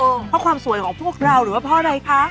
เพราะความสวยของพวกเราหรือว่าเพราะอะไรคะ